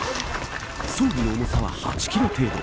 装備の重さは８キロ程度。